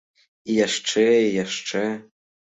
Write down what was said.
І яшчэ, і яшчэ.